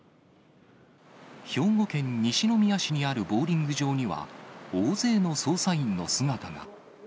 兵庫県西宮市にあるボウリング場には、大勢の捜査員の姿が。